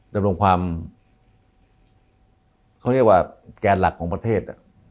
ดำรงความเขาเรียกว่าแกนหลักของประเทศ